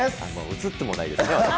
映ってもないですから。